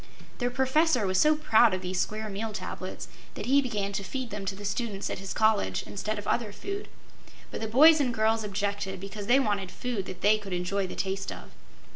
The Professor was so proud of these Square Meal Tablets that he began to feed them to the students at his college, instead of other food, but the boys and girls objected because they wanted food that they could enjoy the taste of.